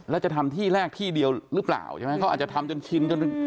แล้วจะทำที่แรกที่เดียวหรือเปล่าใช่ไหมเขาอาจจะทำจนชินจน